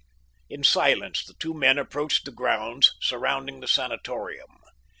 In silence the two men approached the grounds surrounding the sanatorium.